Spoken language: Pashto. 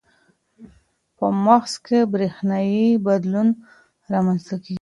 په مغز کې برېښنايي بدلون رامنځته کېږي.